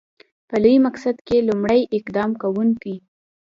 په لوی مقصد کې لومړی اقدام کوونکی.